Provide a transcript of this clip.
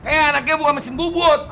eh anaknya buka mesin bubut